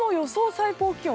最高気温。